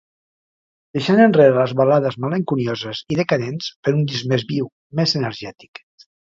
Deixant enrere les balades malenconioses i decadents per un disc més viu, més energètic.